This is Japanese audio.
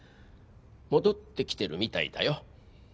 戻ってきてるみたいだよ。